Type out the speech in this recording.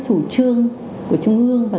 chủ trương của trung ương và